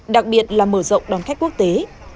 đặc biệt là mở rộng đón khách quốc tế